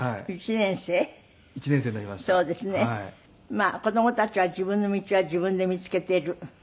まあ子供たちは自分の道は自分で見つけている。